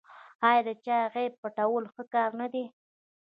آیا د چا عیب پټول ښه کار نه دی؟